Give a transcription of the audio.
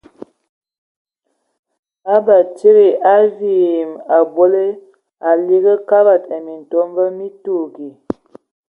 Batsidi, a viimɔ a a abole, a ligi Kabad ai Mintomba mi tuugi.